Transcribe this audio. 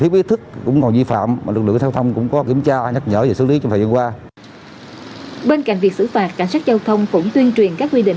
bên cạnh việc xử phạt cảnh sát giao thông cũng tuyên truyền các quy định